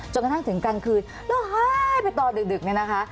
จนกระทั่งถึงกลางคืนแล้วไปตอนดึกนะคะ